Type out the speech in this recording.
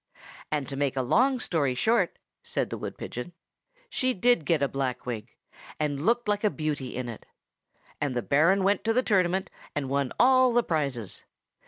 And to make a long story short, said the wood pigeon, she did get a black wig, and looked like a beauty in it. And the Baron went to the tournament, and won all the prizes.